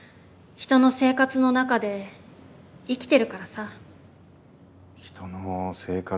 人の生活の中で生きてるか。